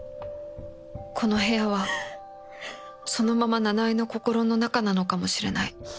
この部屋はそのまま奈々江の心の中なのかもしれない